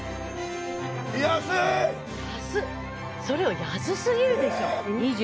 それは安すぎるでしょ。